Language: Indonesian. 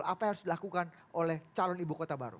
apa yang harus dilakukan oleh calon ibu kota baru